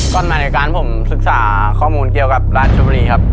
ก่อนมารายการผมศึกษาข้อมูลเกี่ยวกับราชบุรีครับ